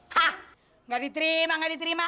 hah nggak diterima nggak diterima